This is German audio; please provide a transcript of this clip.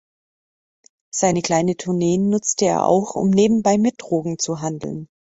Seine kleinen Tourneen nutzte er auch, um nebenbei mit Drogen zu handeln.